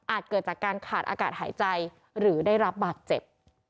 เกิดจากการขาดอากาศหายใจหรือได้รับบาดเจ็บ